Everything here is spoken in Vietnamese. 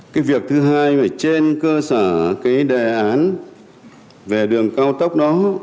cái việc thứ hai mà trên cơ sở cái đề án về đường cao tốc đó